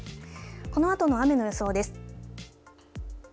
このあとの雨の予想です。